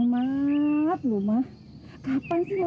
gak bakal jadi studio